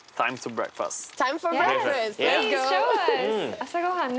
朝ごはんね。